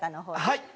はい。